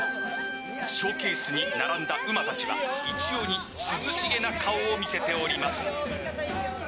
ショーケースに並んだうまたちは一様に涼しげな顔を見せております。